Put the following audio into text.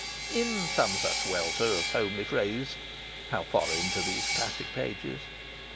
In some such welter of homely phrase (how foreign to these classic pages!)